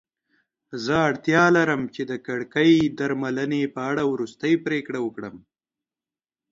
زه اړتیا لرم چې د کړکۍ درملنې په اړه وروستۍ پریکړه وکړم.